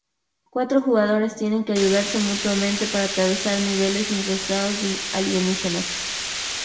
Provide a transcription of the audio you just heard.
Cuatro jugadores tienen que ayudarse mutuamente para atravesar niveles infestados de alienígenas.